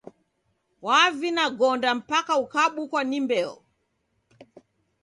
Wavina gonda mpaka ukabukwa ni mbeo.